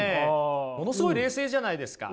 ものすごい冷静じゃないですか。